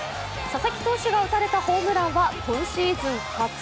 佐々木投手が打たれたホームランは今シーズン初。